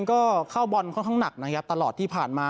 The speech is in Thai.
ก็เข้าบอลค่อนข้างหนักนะครับตลอดที่ผ่านมา